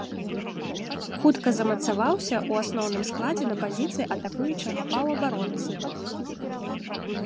Хутка замацаваўся ў асноўным складзе на пазіцыі атакуючага паўабаронцы.